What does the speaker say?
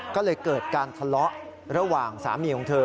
ก็เลยเกิดการทะเลาะระหว่างสามีของเธอ